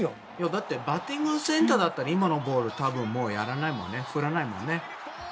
だってバッティングセンターだったら今のボールは多分もうやらないもんね振らないもんね。